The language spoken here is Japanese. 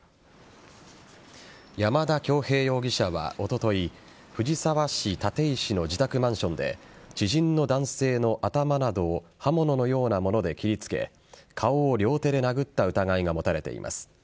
山田恭平容疑者は、おととい藤沢市立石の自宅マンションで知人の男性の頭などを刃物のようなもので切りつけ顔を両手で殴った疑いが持たれています。